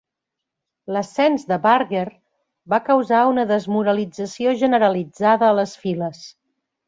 L'ascens de Barger va causar una desmoralització generalitzada a les files.